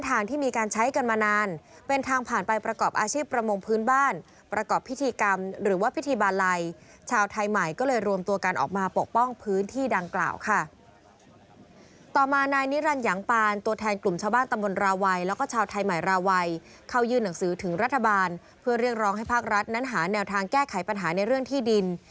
ทางแก้ไขปัญหาในเรื่องที่ดิน